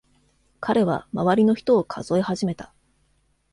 彼は周りの人を数え始めた。